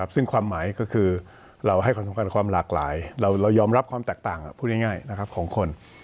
ซึ่งความหมายก็คือเราให้ความสำคัญกับความหลากหลายเรายอมรับความแตกต่างพูดง่ายของคน